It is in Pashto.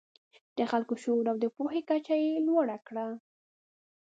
د خلکو شعور او د پوهې کچه یې لوړه کړه.